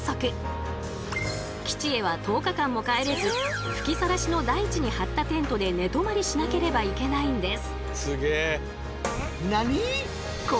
基地へは１０日間も帰れず吹きさらしの大地に張ったテントで寝泊まりしなければいけないんです。